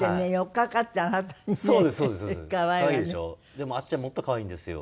でもあっちゃんはもっと可愛いんですよ。